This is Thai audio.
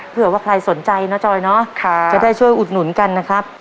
เผื่อว่าใครสนใจนะจอยเนาะจะได้ช่วยอุดหนุนกันนะครับ